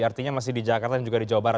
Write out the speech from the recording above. artinya masih di jakarta dan juga di jawa barat